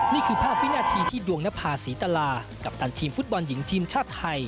นี่คือภาพวินาทีที่ดวงนภาษีตลากัปตันทีมฟุตบอลหญิงทีมชาติไทย